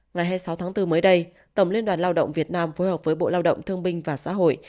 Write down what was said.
ngày hai mươi sáu tháng bốn mới đây tổng liên đoàn lao động việt nam phối hợp với bộ lao động thương binh và xã hội